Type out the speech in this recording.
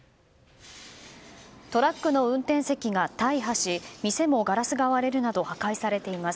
トラックの運転席が大破し店もガラスが割れるなど破壊されています。